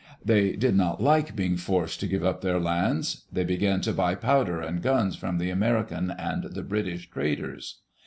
They did not like being forced to give up their lands. They began to buy powder and guns from the American and the British traders.